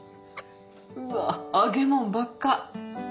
うわっ揚げもんばっか。